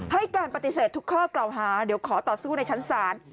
ให้การปฏิเสธทุกข้อกล่าวหาเดี๋ยวขอต่อสู้ในชั้นศาล